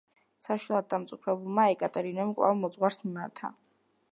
საშინლად დამწუხრებულმა ეკატერინემ კვლავ მოძღვარს მიმართა.